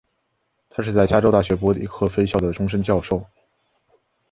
他是在加州大学伯克利分校的终身教授。